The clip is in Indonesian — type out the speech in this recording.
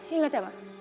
ingat ya ma